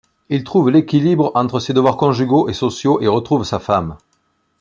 Il trouve l’équilibre entre ses devoirs conjugaux et sociaux et retrouve sa femme.